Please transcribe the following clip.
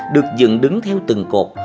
được dựng đứng theo từng cột